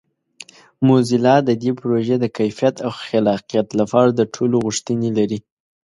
موزیلا د دې پروژې د کیفیت او خلاقیت لپاره د ټولو غوښتنې لري.